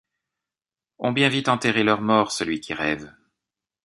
Ont bien vite enterré leurs morts ; celui qui rêve